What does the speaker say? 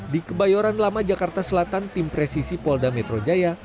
di kebayoran lama jakarta selatan tim presisi polda metro jaya